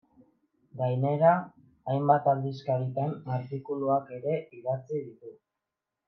Gainera hainbat aldizkaritan artikuluak ere idatzi ditu.